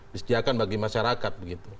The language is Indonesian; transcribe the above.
disediakan bagi masyarakat